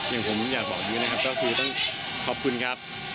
อย่างผมอยากบอกอย่างนี้นะครับก็คือต้องขอบคุณครับ